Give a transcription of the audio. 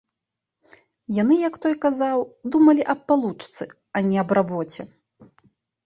Яны, як той казаў, думалі аб палучцы, а не аб рабоце.